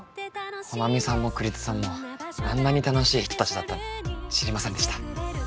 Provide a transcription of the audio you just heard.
穂波さんも栗津さんもあんなに楽しい人たちだったなんて知りませんでした。